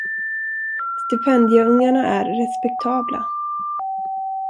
Stipendieungarna är respektabla.